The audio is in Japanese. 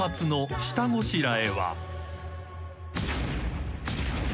［下ごしらえ